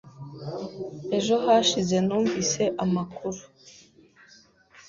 Ejo hashize numvise amakuru.